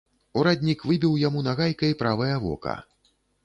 Ураднік выбіў яму нагайкай правае вока.